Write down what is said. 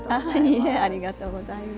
ありがとうございます。